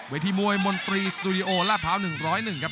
ทีมวยมนตรีสตูดิโอลาดพร้าว๑๐๑ครับ